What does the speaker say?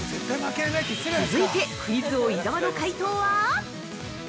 ◆続いて、クイズ王・伊沢の解答は？